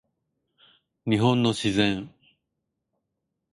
日本の自然